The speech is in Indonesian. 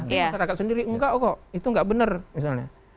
tapi masyarakat sendiri enggak kok itu nggak benar misalnya